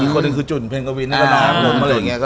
อีกคนอื่นคือจุ่นเพนกวินแล้วก็น้องน้องอะไรอย่างเงี้ยก็